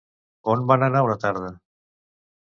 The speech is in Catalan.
On van anar una tarda?